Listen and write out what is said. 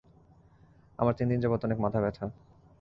আমার তিন দিন যাবৎ অনেক মাথা ব্যথা।